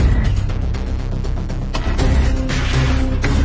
ตอนนี้ก็ไม่มีอัศวินทรีย์